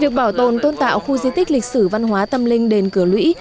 việc bảo tồn tôn tạo khu di tích lịch sử văn hóa tâm linh đền cửa lũy